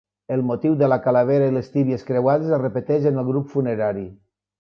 El motiu de la calavera i les tíbies creuades es repeteix en el grup funerari.